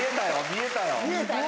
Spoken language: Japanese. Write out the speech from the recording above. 見えたね。